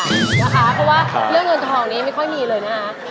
เพราะว่าเรื่องเงินทองนี้ไม่ค่อยมีเลยนะคะ